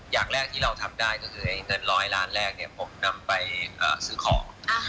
อย่างแรกที่เราทำได้ก็คือเงินร้อยล้านแรกผมนำไปซื้อของ